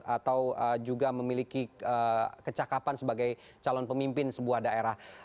atau juga memiliki kecakapan sebagai calon pemimpin sebuah daerah